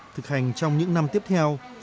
thực hành trong những năm tiếp theo